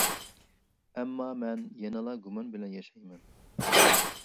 ئەمما، مەن يەنىلا گۇمان بىلەن ياشايمەن.